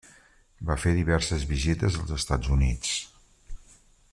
Va fer diverses visites als Estats Units.